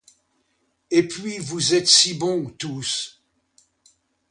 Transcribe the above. Et puis, vous êtes si bons tous!